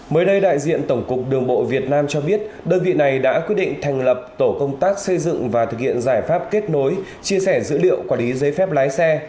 mới đây đại diện tổng cục đường bộ việt nam cho biết đơn vị này đã quyết định thành lập tổ công tác xây dựng và thực hiện giải pháp kết nối chia sẻ dữ liệu quản lý giấy phép lái xe